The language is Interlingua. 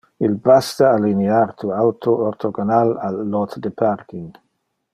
Il basta alinear tu auto orthogonal al lot de parking.